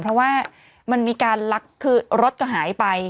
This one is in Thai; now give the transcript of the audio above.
เพราะว่ามันมีการลักคือรถก็หายไป